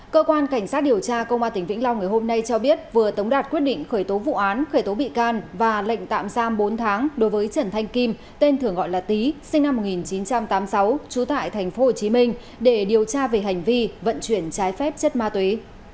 cơ quan cảnh sát điều tra công an tỉnh vĩnh long ngày hôm nay cho biết vừa tống đạt quyết định khởi tố vụ án khởi tố bị can và lệnh tạm giam bốn tháng đối với trần thanh kim tên thường gọi là tý sinh năm một nghìn chín trăm tám mươi sáu trú tại tp hcm để điều tra về hành vi vận chuyển trái phép chất ma túy